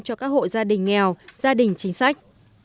cho các hộ gia đình nghèo gia đình chính sách